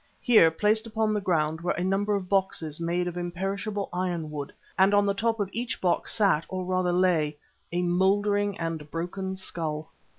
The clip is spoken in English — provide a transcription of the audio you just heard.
Here, placed upon the ground, were a number of boxes made of imperishable ironwood, and on the top of each box sat, or rather lay, a mouldering and broken skull.